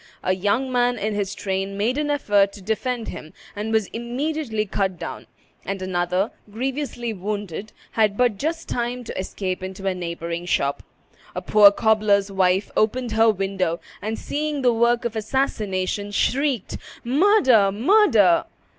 A young man in his train made an effort to defend him, and was immediately cut down; and another, grievously wounded, had but just time to escape into a neighboring shop. A poor cobbler's wife opened her window, and, seeing the work of assassination, shrieked, "Murder! murder!"